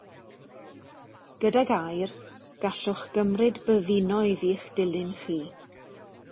Gyda gair, gallwch gymryd byddinoedd i'ch dilyn chi.